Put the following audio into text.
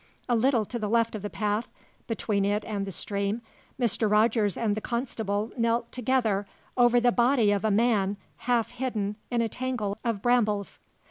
A little to the left of the path, between it and the stream, Mr. Rogers and the constable knelt together over the body of a man half hidden in a tangle of brambles.